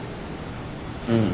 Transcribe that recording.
うん。